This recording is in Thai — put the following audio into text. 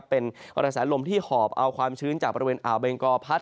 เป็นกระแสลมที่หอบเอาความชื้นจากบริเวณอ่าวเบงกอพัด